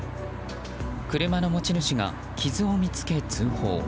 車の持ち主が傷を見つけ、通報。